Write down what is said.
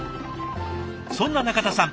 そんな中田さん